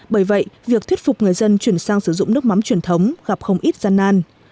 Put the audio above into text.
bởi vậy việc thuyết phục người dân chuyển sang sử dụng nước mắm truyền thống gặp không ít gian nan